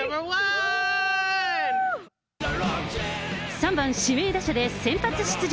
３番指名打者で先発出場。